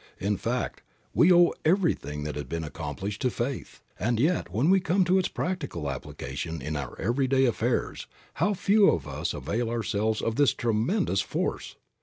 In fact, we owe everything that has been accomplished to faith, and yet when we come to its practical application in our everyday affairs how few of us avail ourselves of this tremendous force!